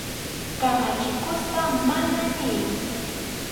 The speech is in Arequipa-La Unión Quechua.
Kamachikuspa «mana» niy.